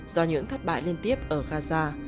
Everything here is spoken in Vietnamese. do những thất bại liên tiếp ở gaza